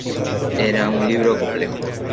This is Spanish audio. Era un libro complejo.